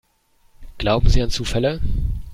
Glauben Sie an Zufälle?